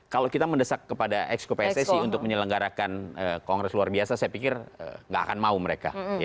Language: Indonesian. kalau kita mendesak kepada exco pssi untuk menyelenggarakan kongres luar biasa saya pikir nggak akan mau mereka